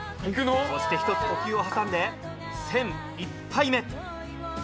そして１つ呼吸を挟んで１００１杯目。